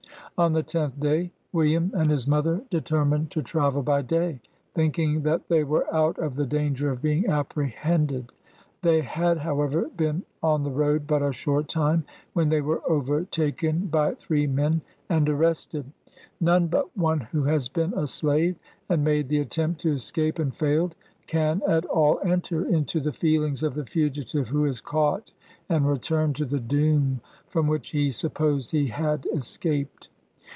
On the tenth day, William and his mother determined to travel by day, thinking that they were out of the danger of being apprehended. Thev had, however, been on the road but a short time, when they were overtaken by three men and arrested. None but one who has been a slave, and made the attempt to escape, and failed, can at all enter into the feelings of the fugitive who is caught and returned to the doom from which he supposed he had escaped.